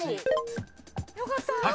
よかった。